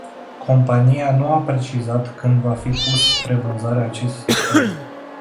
Compania nu a precizat când va fi pus spre vânzare acest sistem.